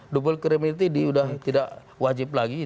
double credit duty udah tidak wajib lagi